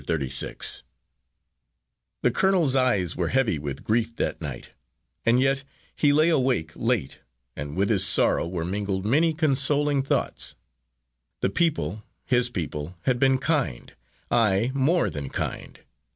Thirty six The colonel's eyes were heavy with grief that night, and yet he lay awake late, and with his sorrow were mingled many consoling thoughts. The people, his people, had been kind, aye, more than kind.